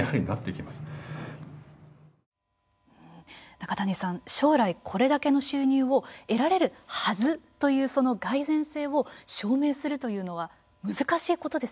中谷さん、将来これだけの収入を得られるはずというその蓋然性を証明するというのは難しいことですよね。